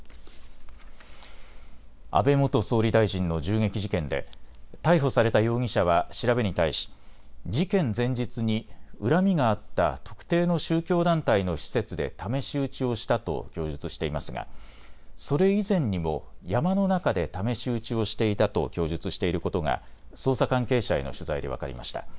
安倍元総理大臣の銃撃事件で逮捕された容疑者は調べに対し事件前日に恨みがあった特定の宗教団体の施設で試し撃ちをしたと供述していますがそれ以前にも山の中で試し撃ちをしていたと供述していることが捜査関係者への取材で分かりました。